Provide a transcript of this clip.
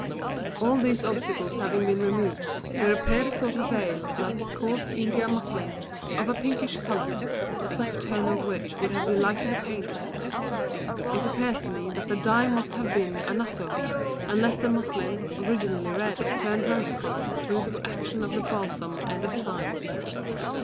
All these obstacles having been removed, there appeared a sort of veil like coarse India muslin, of a pinkish colour, the soft tone of which would have delighted a painter. It appears to me that the dye must have been anatto, unless the muslin, originally red, turned rose colour through the action of the balsam and of time.